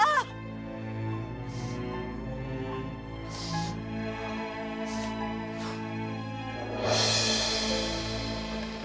tuhan tuhan tuhan tuhan